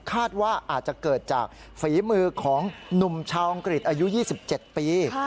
คาดว่าอาจจะเกิดจากฝีมือของหนุ่มชาวอังกฤษอายุ๒๗ปี